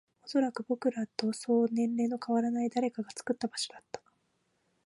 おそらく、僕らとそう年齢の変わらない誰かが作った場所だった